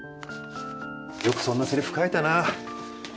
よくそんなせりふ書いたな。